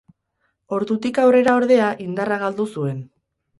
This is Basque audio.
Ordutik aurrera ordea indarra galdu zuen.